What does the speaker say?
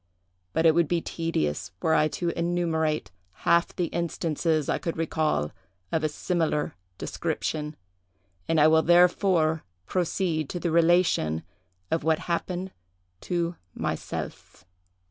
But it would be tedious were I to enumerate half the instances I could recall of a similar description; and I will therefore proceed to the relation of what happened to myself.